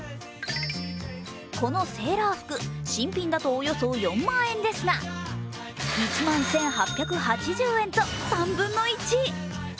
このセーラー服、新品だとおよそ４万円ですが、１１８８０円と３分の１。